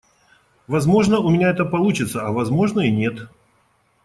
Возможно, у меня это получится, а возможно, и нет.